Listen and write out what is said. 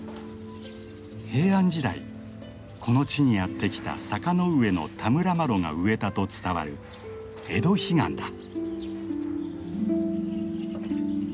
平安時代この地にやって来た坂上田村麻呂が植えたと伝わるエドヒガンだ。